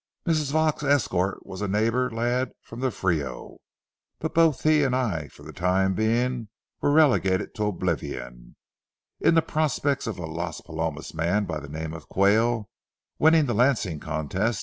Miss Vaux's escort was a neighbor lad from the Frio, but both he and I for the time being were relegated to oblivion, in the prospects of a Las Palomas man by the name of Quayle winning the lancing contest.